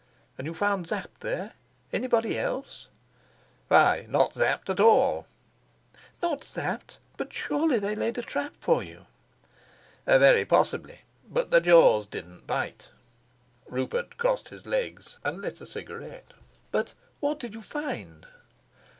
"And you found Sapt there? Anybody else?" "Why, not Sapt at all." "Not Sapt? But surely they laid a trap for you?" "Very possibly, but the jaws didn't bite." Rupert crossed his legs and lit a cigarette. "But what did you find?"